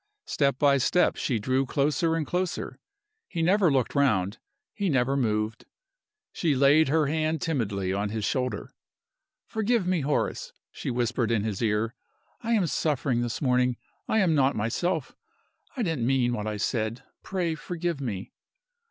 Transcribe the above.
Step by step she drew closer and closer. He never looked round; he never moved. She laid her hand timidly on his shoulder. "Forgive me, Horace," she whispered in his ear. "I am suffering this morning; I am not myself. I didn't mean what I said. Pray forgive me."